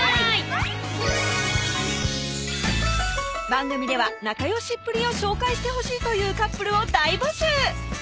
番組では仲良しっぷりを紹介してほしいというカップルを大募集！